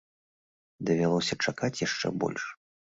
Давялося чакаць яшчэ больш.